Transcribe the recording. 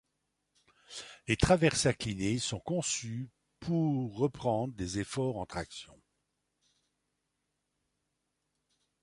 Les traverses inclinées sont conçues pour reprendre des efforts en traction.